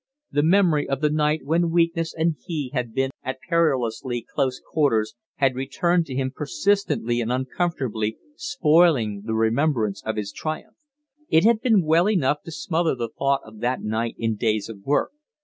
The memory of the night when weakness and he had been at perilously close quarters had returned to him persistently and uncomfortably, spoiling the remembrance of his triumph. It had been well enough to smother the thought of that night in days of work.